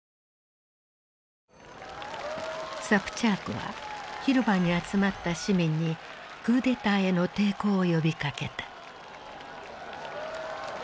サプチャークは広場に集まった市民にクーデターへの抵抗を呼びかけた。